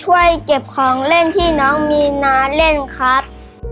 ช่วยเก็บของเล่นที่น้องมีน้าเล่นครับ